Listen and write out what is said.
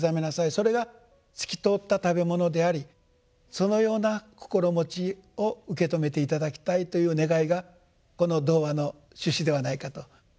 それが「すきとほつたたべもの」でありそのような心持ちを受け止めて頂きたいという願いがこの童話の趣旨ではないかと。